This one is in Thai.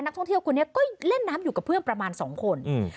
ท่องเที่ยวคนนี้ก็เล่นน้ำอยู่กับเพื่อนประมาณสองคนอืม